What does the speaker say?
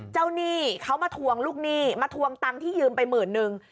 หนี้เขามาทวงลูกหนี้มาทวงตังค์ที่ยืมไปหมื่นนึง